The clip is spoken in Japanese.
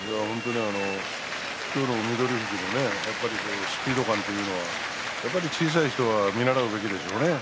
今日の翠富士のスピード感というのはやはり小さい人は見習うべきでしょうね。